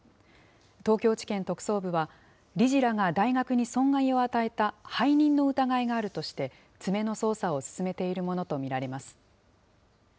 東京地検特捜部は、理事らが大学に損害を与えた背任の疑いがあるとして、詰めの捜査を進めているものと見られます。